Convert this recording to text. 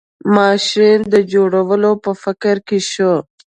ماشین د جوړولو په فکر کې شو.